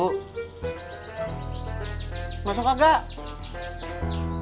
orang emak yang juru suruh istirahat dulu